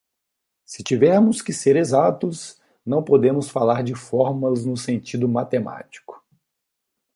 Se tivermos que ser exatos, não podemos falar de fórmulas no sentido matemático.